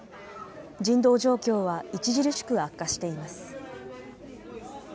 人道状況は著しく悪化しています。